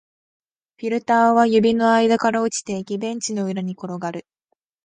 フィルターは指の間から落ちていき、ベンチの裏に転がる